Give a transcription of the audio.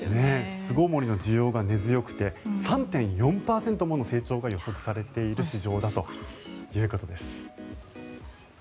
巣ごもりの需要が根強くて３．４％もの成長が予測されている市場だということです。